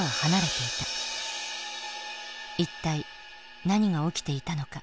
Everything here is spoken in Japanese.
一体何が起きていたのか？